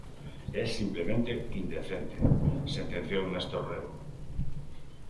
"É simplemente indecente", sentenciou Néstor Rego.